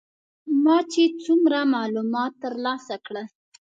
ما چې څومره معلومات تر لاسه کړل.